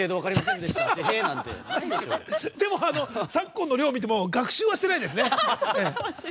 でも昨今のを見ても学習はしてないですね。